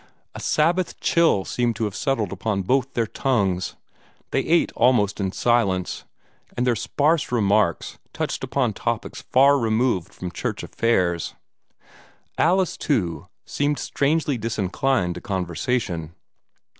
A Sabbath chill seemed to have settled upon both their tongues. They ate almost in silence, and their sparse remarks touched upon topics far removed from church affairs. Alice too, seemed strangely disinclined to conversation.